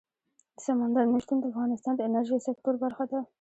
سمندر نه شتون د افغانستان د انرژۍ سکتور برخه ده.